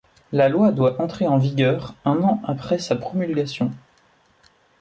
La loi doit entrer en vigueur un an après sa promulgation.